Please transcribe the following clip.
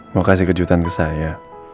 mau kasih kejutan ke saya